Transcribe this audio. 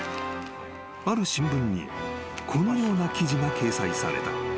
［ある新聞にこのような記事が掲載された］